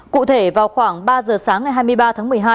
cụ thể vào khoảng ba giờ sáng ngày hai mươi ba tháng một mươi hai